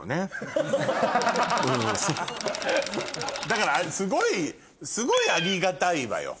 だからすごいすごいありがたいわよ。